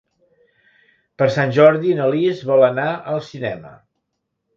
Per Sant Jordi na Lis vol anar al cinema.